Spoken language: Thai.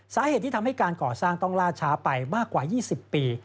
สาเหตุที่ทำให้การก่อสร้างต้องล่าช้าไปมากกว่า๒๐ปี